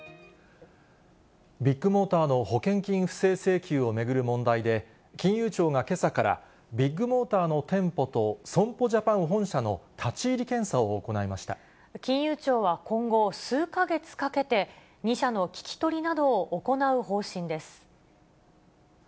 ビッグモーターの保険金不正請求を巡る問題で、金融庁がけさから、ビッグモーターの店舗と損保ジャパン本社の立ち入り検査を行いま金融庁は今後、数か月かけて、２社の聞き取りなどを行う方針です。